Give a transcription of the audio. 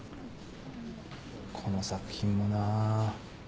この作品もなあ。